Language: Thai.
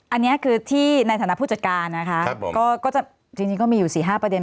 อันนี้คือที่ในฐานะผู้จัดการนะคะก็จะจริงก็มีอยู่๔๕ประเด็